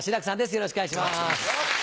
よろしくお願いします。